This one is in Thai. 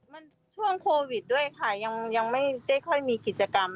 มันช่วงโควิดด้วยค่ะยังไม่ได้ค่อยมีกิจกรรม